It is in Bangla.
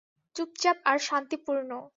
চুপচাপ আর শান্তিপূর্ণ।